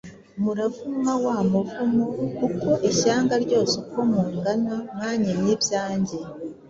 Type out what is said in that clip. Muravumwa wa muvumo; kuko ishyanga ryose uko mungana mwanyimye ibyange